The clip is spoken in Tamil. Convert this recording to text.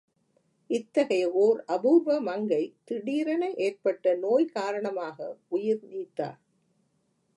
இத்தகைய ஓர் அபூர்வ மங்கை திடீரென ஏற்பட்ட நோய் காரணமாக உயிர் நீத்தார்!